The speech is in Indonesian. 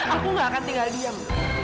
aku gak akan tinggal diam